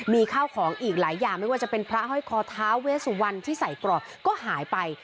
มีข้าวของอีกหลายอย่างไม่ว่าจะเป็นพระห้อยคอท้าเวสุวรรณที่ใส่กรอบก็หายไป